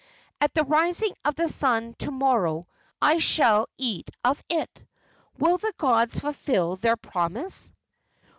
At the rising of the sun to morrow I shall eat of it. Will the gods fulfil their promise?"